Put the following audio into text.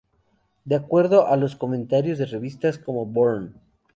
De acuerdo a los comentarios de revistas como Burn!